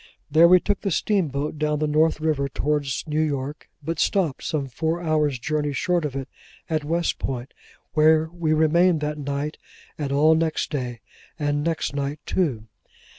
There, we took the steamboat down the North River towards New York, but stopped, some four hours' journey short of it, at West Point, where we remained that night, and all next day, and next night too.